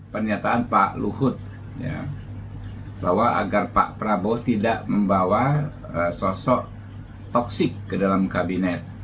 pernyataan pak luhut bahwa agar pak prabowo tidak membawa sosok toksik ke dalam kabinet